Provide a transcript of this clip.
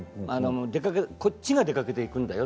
こちらから出かけていくんだよ。